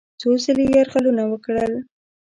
څو ځله یې یرغلونه وکړل.